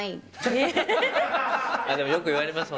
でもよく言われます。